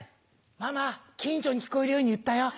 ママ近所に聞こえるように言ったよ。